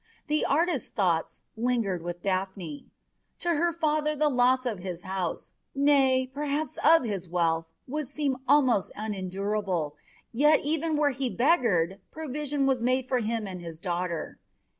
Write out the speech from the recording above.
The artist's thoughts lingered with Daphne. To her father the loss of his house, nay, perhaps of his wealth, would seem almost unendurable, yet even were he beggared, provision was made for him and his daughter.